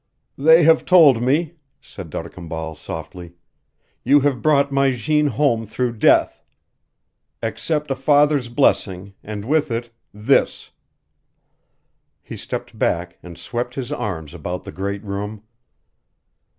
"They have told me," said D'Arcambal, softly. "You have brought my Jeanne home through death. Accept a father's blessing, and with it this!" He stepped back, and swept his arms about the great room.